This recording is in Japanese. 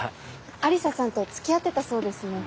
愛理沙さんとつきあってたそうですね。